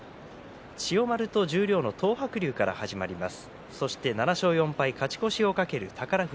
千代丸と十両の東白龍から始まります。